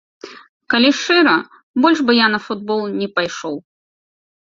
Калі шчыра, больш бы я на футбол не пайшоў.